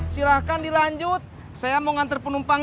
silahkan dilanjut saya mau nganter penumpang